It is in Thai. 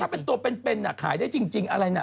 เค้าบอกว่าถ้าเป็นตัวเป็นอ่ะขายได้จริงอะไรอ่ะ